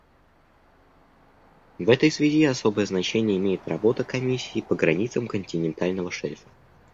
В этой связи особое значение имеет работа Комиссии по границам континентального шельфа.